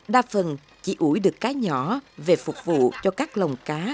đa phần chỉ ủi được cá nhỏ về phục vụ cho các lồng cá